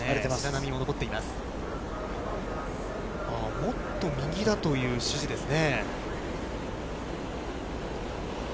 もっと右だという指示ですね。